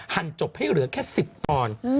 จบให้เหลือแค่๑๐ตอน